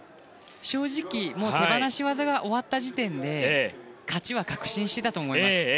正直、手放し技が終わった時点で勝ちは確信していたと思います。